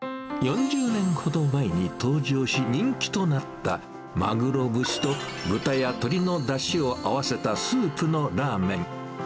４０年ほど前に登場し、人気となった、マグロ節と豚や鶏のだしを合わせたスープのラーメン。